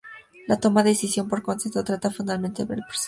La toma de decisión por consenso trata fundamentalmente del proceso.